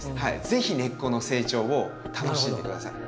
是非根っこの成長を楽しんで下さい。